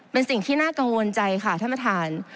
เป็นสิ่งที่น่ากังวลใจค่ะท่านประธาน